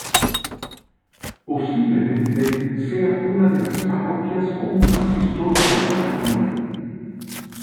Posiblemente sea una de las parroquias con más historia de Valladolid.